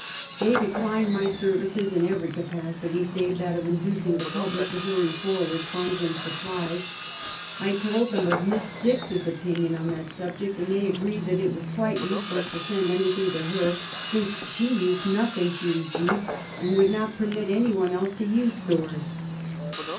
They declined my services in every capacity save that of inducing the public to hurry forward funds and supplies. I told them of Miss Dix's opin ion on that subject, and they agreed tliat it was cpiite useless to send anything to her, since she used nothing she received, and would not permit any one else to use stores.